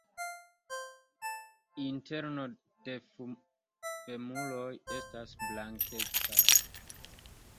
Interno de femuroj estas blankecaj.